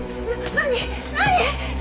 何！？